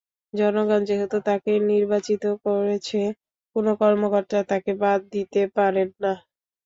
জনগণ যেহেতু তাঁকে নির্বাচিত করেছে, কোনো কর্মকর্তা তাঁকে বাদ দিতে পারেন না।